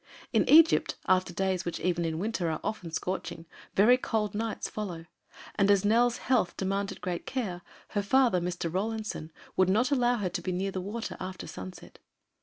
In Egypt, after days which even in winter are often scorching, very cold nights follow, and as Nell's health demanded great care, her father, Mr. Rawlinson, would not allow her to be near the water after sunset.